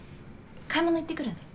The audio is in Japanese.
買い物行ってくるね。